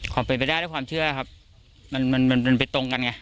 มันเป็นไปได้ด้วยความเชื่อครับมันมันไปตรงกันไง